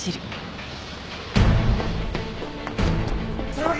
榊！